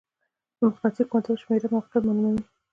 د مقناطیسي کوانټم شمېره موقعیت معلوموي.